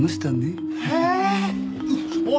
おい！